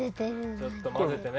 ちょっと混ぜてね。